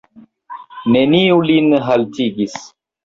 Neniu lin haltigis.